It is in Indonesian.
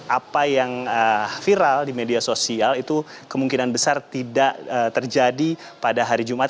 apa yang viral di media sosial itu kemungkinan besar tidak terjadi pada hari jumat